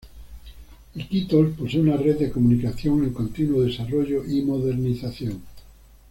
Iquitos posee una red de comunicación en continuo desarrollo y modernización.